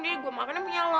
jadi gue makan yang punya lo